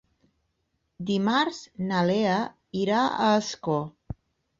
Dimarts na Lea irà a Ascó.